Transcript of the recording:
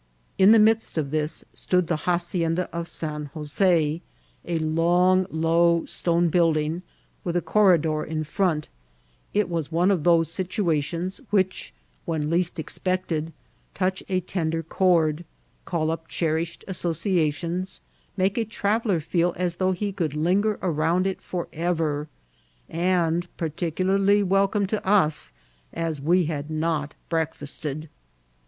In the midst of this stood the hacienda of San Jos^, a Icmg, low stcme building, with a corridor in firont ; it was one of those situations which, when least expected, touch a tender chord, call up cherished associations, make a traveller feel as though he could linger around it for ever, and particularly welcome to us, as we had not breakfasted.